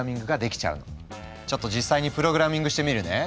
ちょっと実際にプログラミングしてみるね。